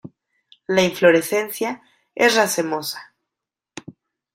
La inflorescencia es racemosa.